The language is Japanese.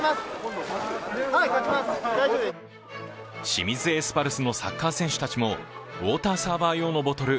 清水エスパルスのサッカー選手たちも、ウォーターサーバー用のボトル